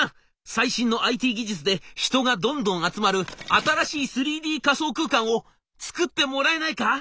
最新のＩＴ技術で人がどんどん集まる新しい３Ｄ仮想空間を作ってもらえないか？」。